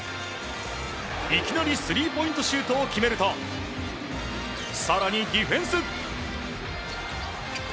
いきなりスリーポイントシュートを決めると更に、ディフェンス！